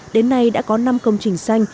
đến nay đã có năm công trình xanh